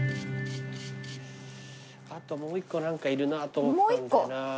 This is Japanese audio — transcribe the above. あともう１個何かいるなと思ったんだよなあのう。